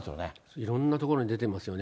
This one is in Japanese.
いろんなところに出てますよね。